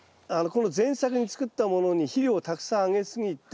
この前作に作ったものに肥料をたくさんあげすぎて。